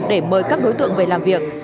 để mời các đối tượng về làm việc